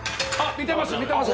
見てますよ。